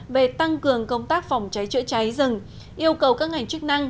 về tăng cường công tác phòng cháy chữa cháy rừng yêu cầu các ngành chức năng